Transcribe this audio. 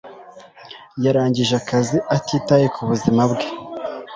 Yarangije akazi atitaye ku buzima bwe.